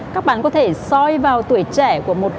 các bạn có thể soi vào tuổi trẻ của một thế hệ